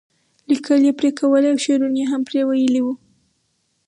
لیکل یې پرې کولی او شعرونه یې هم پرې ویلي وو.